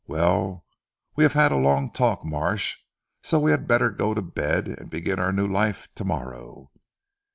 Well, we have had a long talk Marsh, so we had better go to bed, and begin our new life to morrow."